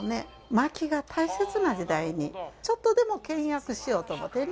薪が大切な時代にちょっとでも倹約しようと思ってね